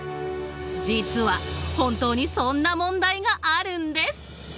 実は本当にそんな問題があるんです。